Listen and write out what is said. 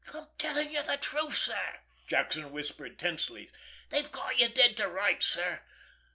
"I'm telling you the truth, sir," Jackson whispered tensely. "They've got you dead to rights, sir.